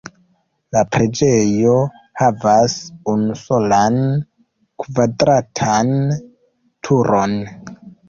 La preĝejo havas unusolan kvadratan turon.